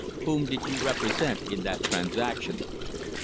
Whom did you represent in that transaction